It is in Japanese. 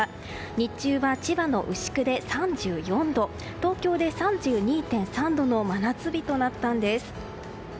日中は千葉の牛久で３５度東京で３２．３度の真夏日となったんです。